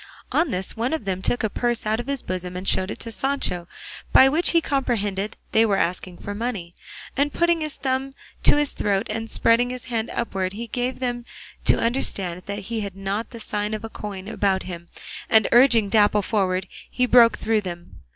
On this one of them took a purse out of his bosom and showed it to Sancho, by which he comprehended they were asking for money, and putting his thumb to his throat and spreading his hand upwards he gave them to understand that he had not the sign of a coin about him, and urging Dapple forward he broke through them.